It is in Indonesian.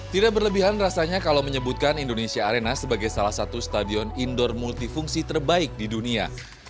tidak berlebihan rasanya kalau menyebutkan indonesia arena sebagai salah satu stadion indoor multifungsi terbaik di dunia